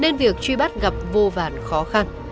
nên việc truy bắt gặp vô vàn khó khăn